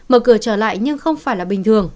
mở cửa trở lại nhưng không phải là bình thường